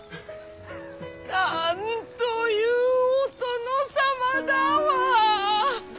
なんというお殿様だわ！